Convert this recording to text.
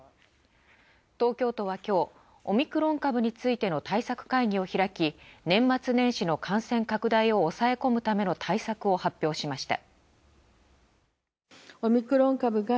東京都は今日、オミクロン株についての対策会議を開き、年末年始の感染拡大を抑え込むための対策を発表しました。